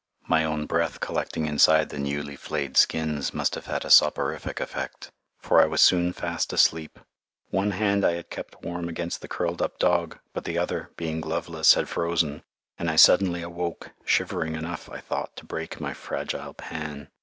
My own breath collecting inside the newly flayed skin must have had a soporific effect, for I was soon fast asleep. One hand I had kept warm against the curled up dog, but the other, being gloveless, had frozen, and I suddenly awoke, shivering enough, I thought, to break my fragile pan.